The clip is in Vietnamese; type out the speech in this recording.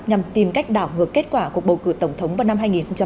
nhằm tìm cách đảo ngược kết quả cuộc bầu cử tổng thống vào năm hai nghìn hai mươi